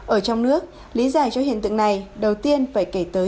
ở trong nước lý giải cho hiện tượng này đầu tiên phải kể tới